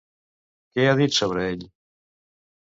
Què ha dit sobre ell?